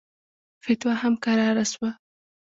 فتوا هم کراره سوه.